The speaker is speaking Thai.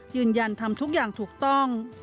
ยืนยันทำทุกอย่างถูกต้อง